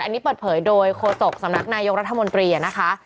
อันนี้เปิดเผยโดยโคศกสำนักนายกรัฐมนตรีนะคะ